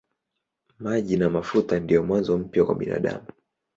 Maji na mafuta ndiyo mwanzo mpya kwa binadamu.